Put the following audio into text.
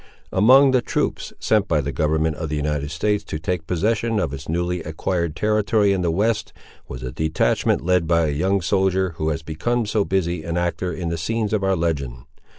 Among the troops sent by the government of the United States, to take possession of its newly acquired territory in the west, was a detachment led by a young soldier who has become so busy an actor in the scenes of our legend.